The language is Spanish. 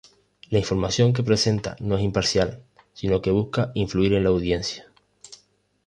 La información que presenta no es imparcial, sino que busca influir en la audiencia.